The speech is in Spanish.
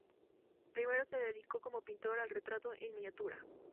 Primero se dedicó como pintor al retrato en miniatura.